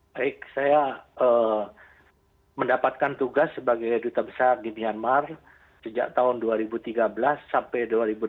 baik saya mendapatkan tugas sebagai duta besar di myanmar sejak tahun dua ribu tiga belas sampai dua ribu delapan belas